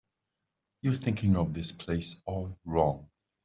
You're thinking of this place all wrong.